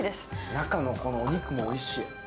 中のお肉もおいしい。